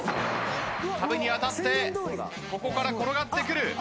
壁に当たってここから転がってくる。